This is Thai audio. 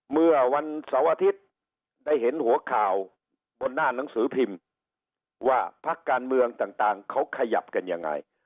เมื่อวันเสาร์อาทิตย์ได้เห็นหัวข่าวบนหน้าหนังสือพิมพ์ว่าพักการเมืองต่างเขาขยับกันยังไง